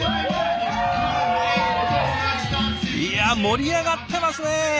いや盛り上がってますね！